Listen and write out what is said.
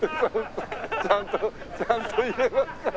ちゃんとちゃんと入れますから。